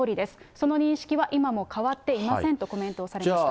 その認識は今も変わっていませんとコメントをされました。